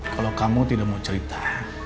kalau kamu tidak mau cerita